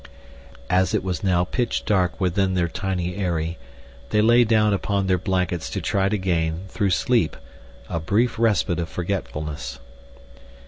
As it was now pitch dark within their tiny aerie they lay down upon their blankets to try to gain, through sleep, a brief respite of forgetfulness.